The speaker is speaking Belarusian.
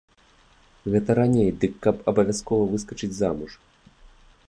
Гэта раней дык каб абавязкова выскачыць замуж.